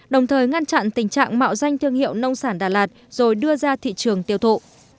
đồng thời ngăn chặn tình trạng mạo danh thương hiệu nông sản đà lạt rồi đưa ra thị trường tiêu thụ